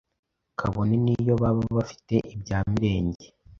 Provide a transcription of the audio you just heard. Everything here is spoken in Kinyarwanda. kabone n'iyo baba bafite ibya mirenge